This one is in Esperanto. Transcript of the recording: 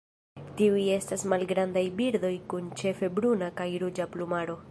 Tiuj estas malgrandaj birdoj kun ĉefe bruna kaj ruĝa plumaro.